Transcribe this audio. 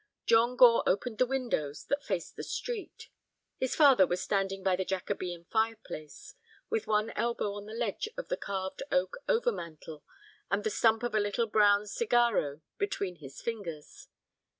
John Gore opened the windows that faced the street. His father was standing by the Jacobean fireplace, with one elbow on the ledge of the carved oak over mantel and the stump of a little brown cigarro between his fingers.